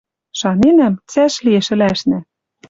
Шаненӓм, цӓш лиэш ӹлӓшнӓ